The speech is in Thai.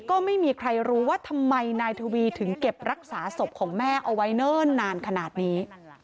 ก็ไม่มีใครรู้ว่าทำไมนายทวีถึงเก็บรักษาศพของแม่เอาไว้เนิ่นนานขนาดนี้